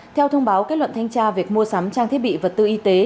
theo thông báo kết luận thanh tra việc mua sắm trang thiết bị vật tư y tế